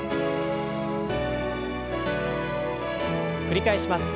繰り返します。